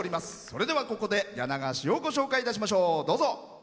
それではここで柳川市をご紹介いたしましょう。